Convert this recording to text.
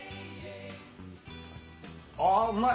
あぁうまい。